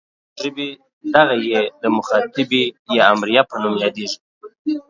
د پښتو ژبې دغه ئ د مخاطبې او یا امریه په نوم یادیږي.